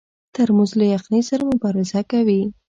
ترموز له یخنۍ سره مبارزه کوي.